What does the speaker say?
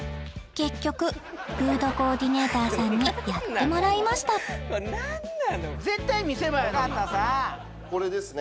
結局フードコーディネーターさんにやってもらいましたこれですね